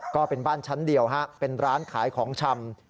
ก็เป็นบ้านชั้นเดียวเป็นร้านขายของชำ